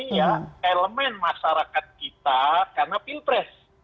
atau kelemen masyarakat kita karena pilpres